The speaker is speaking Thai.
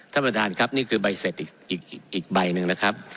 ท่านประธานครับนี่คือใบเสร็จอีกใบหนึ่งนะครับ